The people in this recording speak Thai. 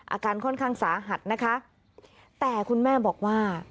อาการค่อนข้างสาหัสนะคะแต่คุณแม่บอกว่า